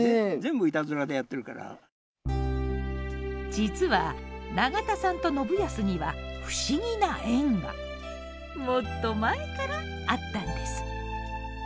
実は永田さんと信康には不思議な縁がもっと前からあったんです。